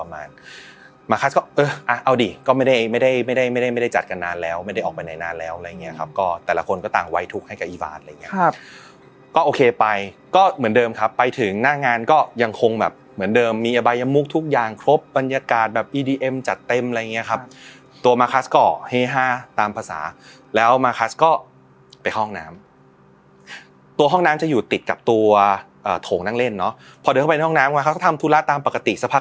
มาร์คัสก็เออเอาดิก็ไม่ได้ไม่ได้ไม่ได้ไม่ได้จัดกันนานแล้วไม่ได้ออกไปในนานแล้วอะไรเงี้ยครับก็แต่ละคนก็ต่างวัยทุกข์ให้กับอีวานอะไรเงี้ยครับก็โอเคไปก็เหมือนเดิมครับไปถึงหน้างานก็ยังคงแบบเหมือนเดิมมีอาบายมุกทุกอย่างครบบรรยากาศแบบอีดีเอ็มจัดเต็มอะไรเงี้ยครับตัวมาร์คัสก็เหห้าตามภาษาแล้วมาร์ค